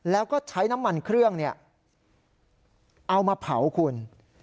แล้วก็ใช้น้ำมันเครื่องเอามาเผาคุณ